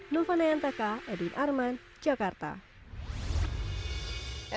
nufana yantaka edwin arman jakarta